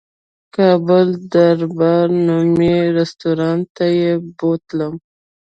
کابل دربار نومي رستورانت ته یې بوتلم.